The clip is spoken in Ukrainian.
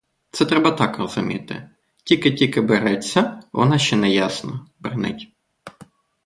Це треба так розуміти: тільки-тільки береться, вона ще неясна — бринить.